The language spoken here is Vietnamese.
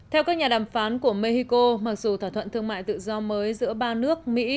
theo các nhà đàm phán của mexico mặc dù thỏa thuận thương mại tự do mới giữa ba nước mỹ